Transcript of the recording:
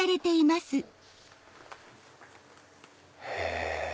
へぇ。